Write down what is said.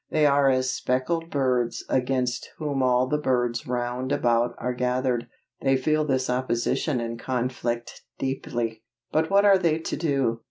They are as "speckled birds, against whom all the birds round about are gathered." They feel this opposition and conflict deeply, but what are they to do?